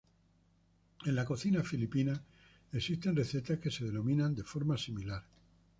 En la cocina filipina existen recetas que se denominan de forma similar.